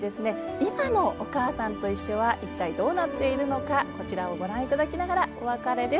今の「おかあさんといっしょ」は一体どうなっているのかこちらをご覧いただきながらお別れです。